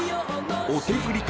お手振りか？